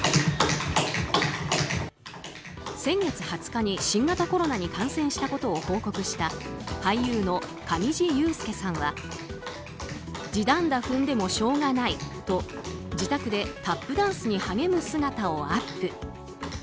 先月２０日に新型コロナに感染したことを報告した俳優の上地雄輔さんは地団太踏んでもしょーがないと自宅でタップダンスに励む姿をアップ。